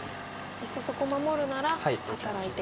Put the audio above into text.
いっそそこを守るなら働いて。